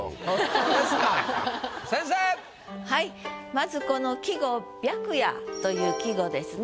まずこの季語「白夜」という季語ですね。